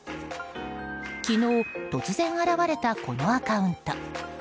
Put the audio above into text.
昨日、突然現れたこのアカウント。